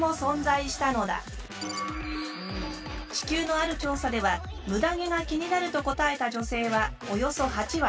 地球のある調査ではムダ毛が気になると答えた女性はおよそ８割。